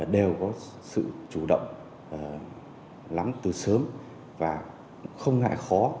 đều có sự chủ động lắm từ sớm và không ngại khó